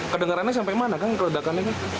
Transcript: kedengarannya sampai mana kan keledakannya kan